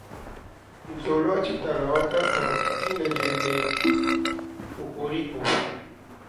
Nzolu watshitala wa tatudina diende kokoriko.